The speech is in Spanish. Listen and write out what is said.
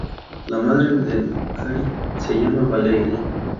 La madre de McGary se llama Valerie.